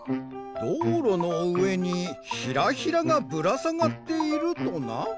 どうろのうえにヒラヒラがぶらさがっているとな？